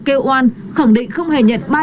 kêu oan khẳng định không hề nhận